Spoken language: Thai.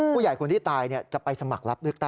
คนที่ตายจะไปสมัครรับเลือกตั้ง